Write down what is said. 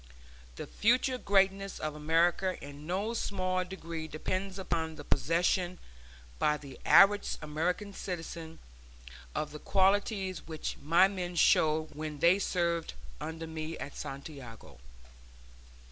The future greatness of America in no small degree depends upon the possession by the average American citizen of the qualities which my men showed when they served under me at Santiago.